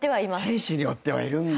選手によってはいるんですよ。